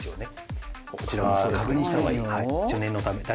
確認した方がいい。